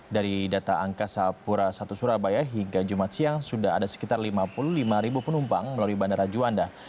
dari data angka sapura satu surabaya hingga jumat siang sudah ada sekitar lima puluh lima penumpang melalui bandara juanda